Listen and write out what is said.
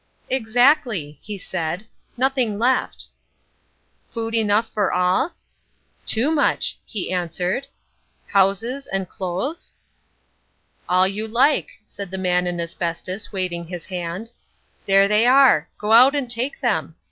"Exactly," he said, "nothing left." "Food enough for all?" "Too much," he answered. "Houses and clothes?" "All you like," said the Man in Asbestos, waving his hand. "There they are. Go out and take them.